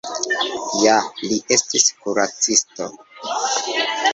Ja li estis kuracisto.